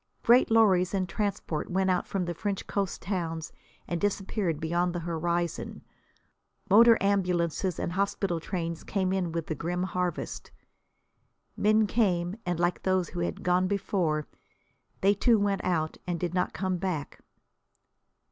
Great lorries and transports went out from the French coast towns and disappeared beyond the horizon; motor ambulances and hospital trains came in with the grim harvest. Men came and, like those who had gone before, they too went out and did not come back.